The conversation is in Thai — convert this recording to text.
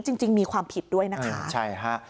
จริงจริงมีความผิดด้วยนะคะใช่ฮะ